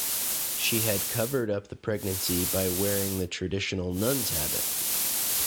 She had covered up the pregnancy by wearing the traditional nun's habit.